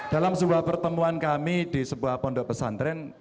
dalam sebuah pertemuan kami di sebuah pondok pesantren